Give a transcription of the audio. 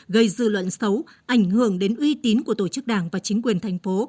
gây dư luận xấu ảnh hưởng đến uy tín của tổ chức đảng và chính quyền thành phố